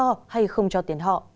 cho hay không cho tiền họ